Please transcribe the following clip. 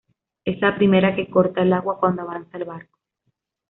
Es la primera que corta el agua cuando avanza el barco.